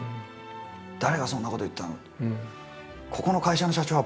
「誰がそんなこと言ったの！？」